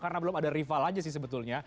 karena belum ada rival aja sih sebetulnya